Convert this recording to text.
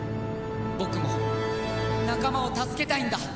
僕も仲間を助けたいんだ。